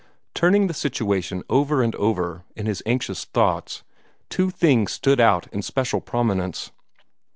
Turning the situation over and over in his anxious thoughts, two things stood out in special prominence.